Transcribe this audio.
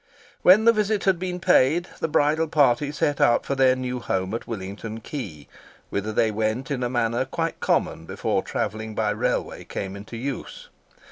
When the visit had been paid, the bridal party set out for their new home at Willington Quay, whither they went in a manner quite common before travelling by railway came into use.